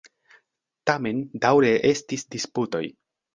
Tamen daŭre estis disputoj.